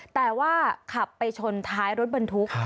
แต่ว่าขับไปชนท้ายรถบรรทุก